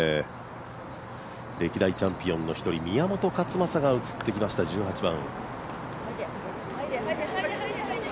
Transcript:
歴代チャンピオンの一人、宮本勝昌が映ってきました１８番。